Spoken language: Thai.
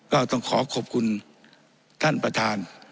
ก็ต้องขอขอบคุณท่านประธาน